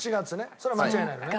それは間違いないのね？